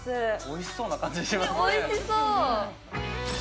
おいしそうな感じしますね